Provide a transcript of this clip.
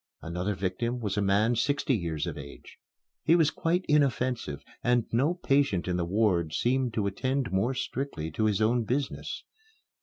Another victim was a man sixty years of age. He was quite inoffensive, and no patient in the ward seemed to attend more strictly to his own business.